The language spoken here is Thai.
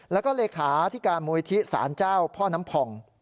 แล้วก็เลขาที่การมูลที่สารเจ้าพ่อน้ำผ่อง